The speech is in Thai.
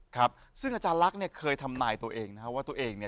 ครับซึ่งอาจารย์ลักษณ์เนี่ยเคยทำนายตัวเองนะฮะว่าตัวเองเนี่ย